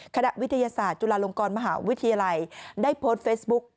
คณะวิทยาศาสตร์จุฬาลงกรมหาวิทยาลัยได้โพสต์เฟซบุ๊ก